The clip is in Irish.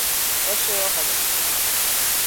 Chuaigh sé ó sholas.